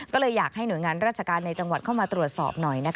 ก็เลยอยากให้หน่วยงานราชการในจังหวัดเข้ามาตรวจสอบหน่อย